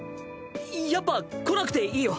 やっぱ来なくていいよ。